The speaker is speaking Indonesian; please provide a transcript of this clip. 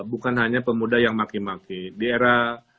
bukan hanya pemuda yang maki maki di era